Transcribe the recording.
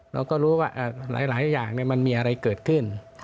เราก็รู้ว่าหลายอย่างมันมีอะไรเกิดขึ้น